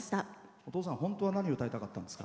お父さん本当は何を歌いたかったんですか？